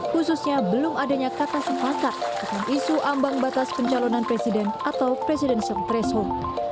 khususnya belum adanya kata sepakat tentang isu ambang batas pencalonan presiden atau presidential threshold